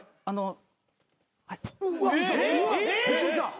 あの。